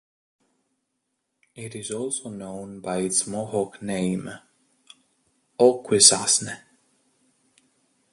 It is also known by its Mohawk name, Akwesasne.